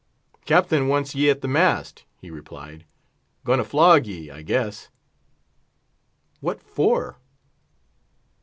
"Captain wants ye at the mast," he replied. "Going to flog ye, I guess." "What for?"